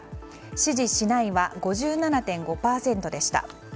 支持しないは５７．５％でした。